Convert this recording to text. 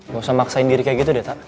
gak usah maksain diri kayak gitu deh tak